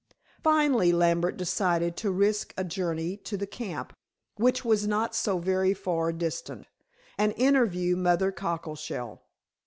Finally, Lambert decided to risk a journey to the camp, which was not so very far distant, and interview Mother Cockleshell.